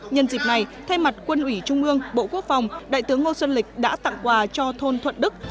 nhân dịp này thay mặt quân ủy trung ương bộ quốc phòng đại tướng ngô xuân lịch đã tặng quà cho thôn thuận đức